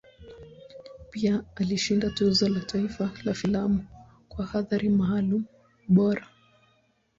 Pia alishinda Tuzo la Taifa la Filamu kwa Athari Maalum Bora.